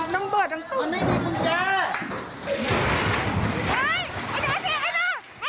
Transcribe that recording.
นึงมันลำมันลำแบบนี้แล้วล่ะ